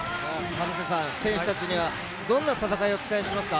選手たちにはどんな戦いを期待しますか？